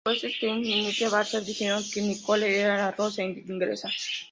Los jueces Twiggy y Nigel Barker dijeron que Nicole era "La Rosa Inglesa".